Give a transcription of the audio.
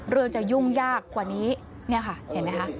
เรื่องจะยุ่งยากกว่านี้เนี่ยค่ะเห็นไหมคะ